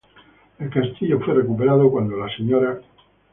El castillo fue recuperado cuando la Sra.